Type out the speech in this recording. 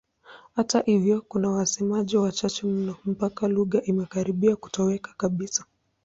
Hata hivyo kuna wasemaji wachache mno mpaka lugha imekaribia kutoweka kabisa.